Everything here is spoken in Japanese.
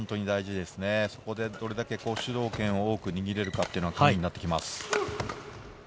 そこで、どれだけ主導権を握れるかがカギになってきます。